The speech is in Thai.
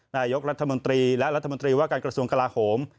นายกรัฐมนตรีและรัฐมนตรีว่าการกระทรวงกลาโหม